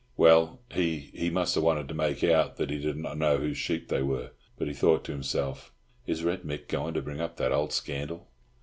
Well, he—he must have wanted to make out that he did not know whose sheep they were" but he thought to himself, "Is Red Mick going to bring up that old scandal?"